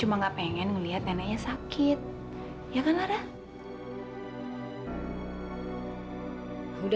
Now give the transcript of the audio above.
boleh tak bisa